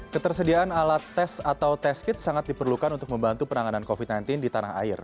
ketersediaan alat tes atau test kit sangat diperlukan untuk membantu penanganan covid sembilan belas di tanah air